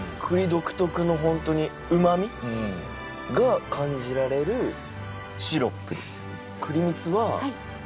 独特のホントに旨みが感じられるシロップですよ